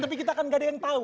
tapi kita kan gak ada yang tahu